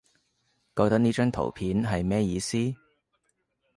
覺得呢張圖片係咩意思？